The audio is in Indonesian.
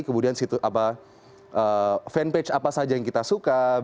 kemudian fanpage apa saja yang kita suka